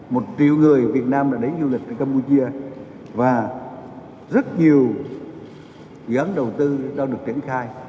một triệu người việt nam đã đến du lịch campuchia và rất nhiều dự án đầu tư đang được triển khai